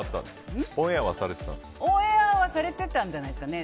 オンエアはされてたんじゃないですかね。